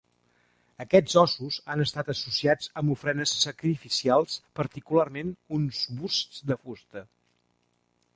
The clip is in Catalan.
Aquests ossos han estat associats amb ofrenes sacrificials, particularment, uns busts de fusta.